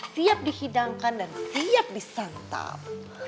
siap dihidangkan dan siap disantap